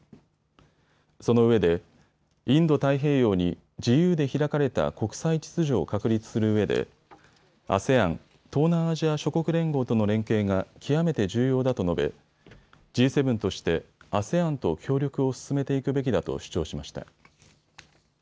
そのうえでインド太平洋に自由で開かれた国際秩序を確立するうえでＡＳＥＡＮ・東南アジア諸国連合との連携が極めて重要だと述べ、Ｇ７としてＡＳＥＡＮと協力を進めていくべきだと主張しました。